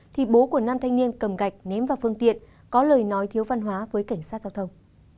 thì bố của nam thanh niên cầm gạch ném vào phương tiện có lời nói thiếu văn hóa với cảnh sát giao thông